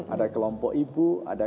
ada kelompok ibu ada